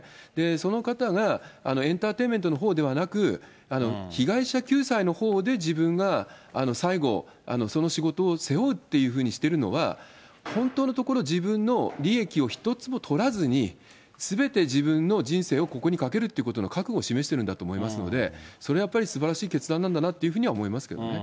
その方がエンターテイメントのほうではなく、被害者救済のほうで自分が最後、その仕事を背負うっていうふうにしているのは、本当のところ、自分の利益を一つも取らずに、すべて自分の人生をここにかけるということの覚悟を示してるんだと思いますので、それはやっぱりすばらしい決断なんだなと思いますけどね。